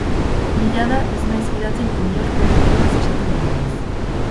Ni jada ez naiz fidatzen inork bere buruaz esaten duenaz.